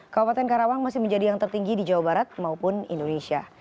kabupaten karawang masih menjadi yang tertinggi di jawa barat maupun indonesia